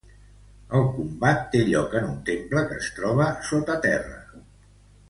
El combat té lloc en un temple que es troba sota terra.